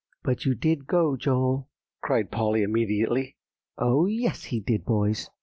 "But you did go, Joel," cried Polly immediately. "Oh, yes he did, boys!"